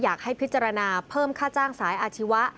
อยากให้พิจารณาเพิ่มค่าจ้างสายอาชีวะ